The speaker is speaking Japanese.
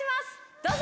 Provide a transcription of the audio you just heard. どうぞ。